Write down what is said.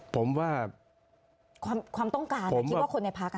ผมว่าความต้องการคิดว่าคนในพัก